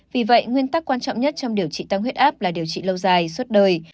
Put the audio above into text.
vì vậy nguyên tắc quan trọng nhất trong điều trị tăng huyết áp là điều trị lâu dài suốt đời